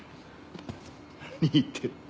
何言って。